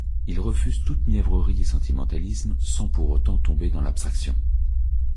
Il refuse toute mièvrerie et sentimentalisme, sans pour autant tomber dans l'abstraction.